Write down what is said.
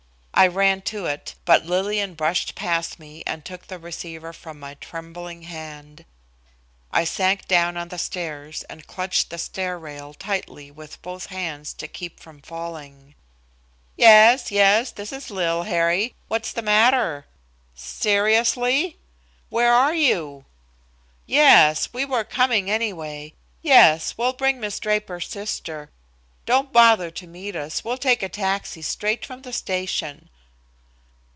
I ran to it, but Lillian brushed past me and took the receiver from my trembling hand. I sank down on the stairs and clutched the stair rail tightly with both hands to keep from falling. "Yes, yes, this is Lil, Harry. What's the matter? "Seriously? "Where are you? "Yes, we were coming, anyway. Yes, we'll bring Miss Draper's sister. Don't bother to meet us. We'll take a taxi straight from the station."